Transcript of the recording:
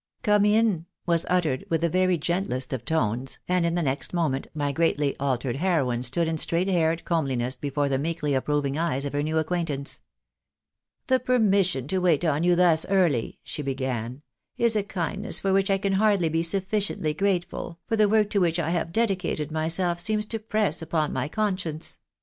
Come in," was uttered in the very gentlest of tones, and in the next moment my greatly altered heroine stood in straight haired comeliness before the meekly approving eyes of her new acquaintance. " The permission to wait on you thus early," she began, "is a kindness for which I can hardly be sufficiently grateful, for the work to which I have dedicated myself seems to press upon my conscience.